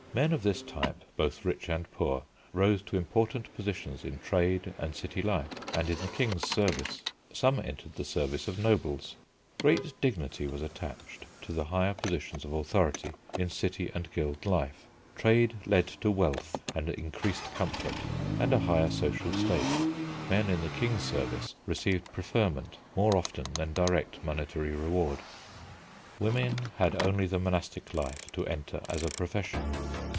Men of this type, both rich and poor, rose to important positions in trade and city life, and in the King's service. Some entered the service of nobles. Great dignity was attached to the higher positions of authority in city and guild life. Trade led to wealth and increased comfort and a higher social state. Men in the King's service received preferment more often than direct monetary reward. Women had only the monastic life to enter as a profession.